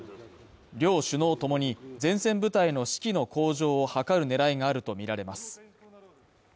両首脳ともに前線部隊の士気の向上を図る狙いがあるとみられます。